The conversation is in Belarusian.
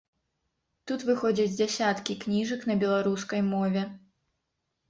Тут выходзяць дзясяткі кніжак на беларускай мове.